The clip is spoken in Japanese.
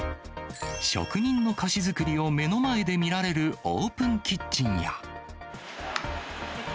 職人の菓子作りを目の前で見られるオープンキッチンや。